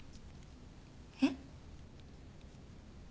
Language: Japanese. えっ？